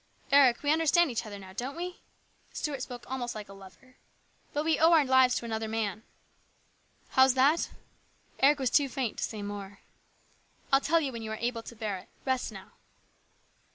" Eric, we understand each other now, don't we ?" Stuart spoke almost like a lover. " But we owe our lives to another man." " How's that ?" Eric was too faint to say more. " I'll tell you when you are able to bear it. Rest now."